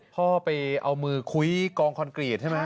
พ่อไปเอามือคุ้ยกองคอนกรีตใช่ไหม